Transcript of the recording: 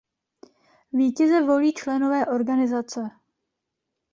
Vítěze volí členové organizace.